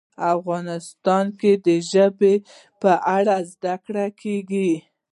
افغانستان کې د ژبې په اړه زده کړه کېږي.